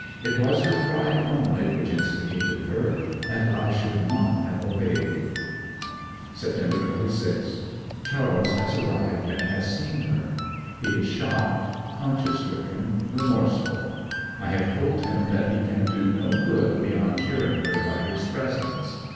It was her pride only which instigated her, and I should not have obeyed. Sept. 26. Charles has arrived and has seen her. He is shocked, conscience stricken, remorseful. I have told him that he can do no good beyond cheering her by his presence.